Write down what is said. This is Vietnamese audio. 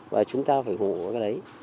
và chúng ta phải hỗn hợp với cái đấy